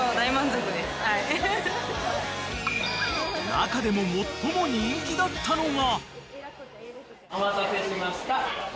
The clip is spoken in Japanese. ［中でも最も人気だったのが］